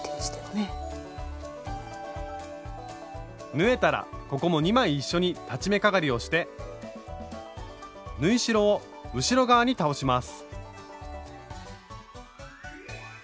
縫えたらここも２枚一緒に裁ち目かがりをして縫い代を後ろ側に倒します。